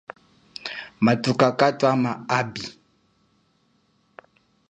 Mathuka katwama api.